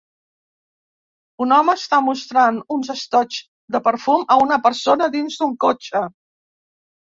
Un home està mostrant uns estoigs de perfum a una persona dins d'un cotxe